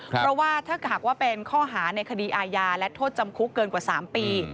เพราะว่าถ้าหากว่าเป็นข้อหาในคดีอาญาและโทษจำคุกเกินกว่า๓ปี